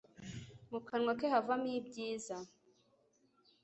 Mu kanwa ke havamo ibyiza